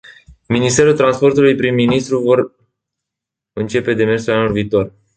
Ministerul Transportului prin ministru vor incepe demersurile anul viitor.